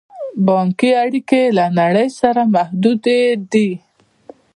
بانکي اړیکې یې له نړۍ سره محدودې دي.